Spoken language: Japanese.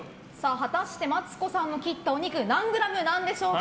果たしてマツコさんの切ったお肉何グラム何でしょうか。